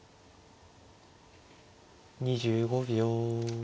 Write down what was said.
２５秒。